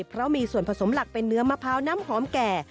เพราะมีส่วนผสมหลักเป็นเนื้อมะพร้าวน้ำหอมแก่